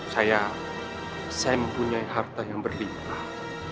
saya saya mempunyai harta yang berlimpah